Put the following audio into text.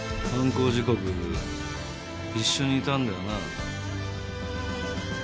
犯行時刻一緒にいたんだよな？